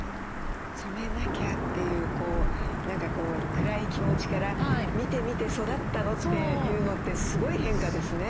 染めなきゃっていう何か暗い気持ちから「見て見て育ったの」っていうのってすごい変化ですね。